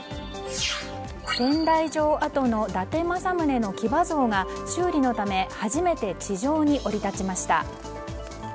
仙台城跡の伊達政宗の騎馬像が修理のため初めて地上に降り立ちました。